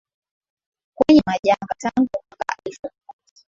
kwenye majanga tangu mwaka elfu moja